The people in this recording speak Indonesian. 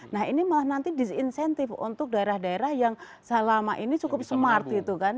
nah ini malah nanti disinsentif untuk daerah daerah yang selama ini cukup smart gitu kan